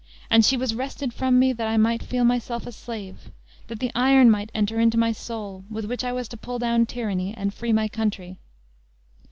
and she was wrested from me, that I might feel myself a slave, that the iron might enter into my soul, with which I was to pull down tyranny, and free my country.